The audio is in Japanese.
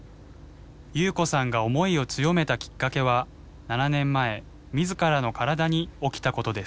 夕子さんが思いを強めたきっかけは７年前自らの体に起きたことです。